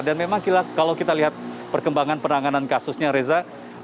dan memang kalau kita lihat perkembangan penanganan kasusnya reza